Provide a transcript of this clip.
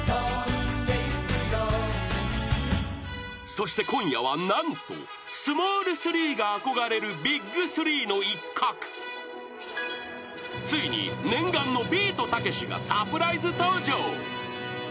［そして今夜は何とスモール３が憧れるＢＩＧ３の一角ついに念願のビートたけしがサプライズ登場］